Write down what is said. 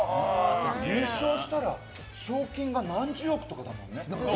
優勝したら賞金が何十億とかだもんね。